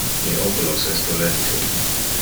Mi oculos es dolente.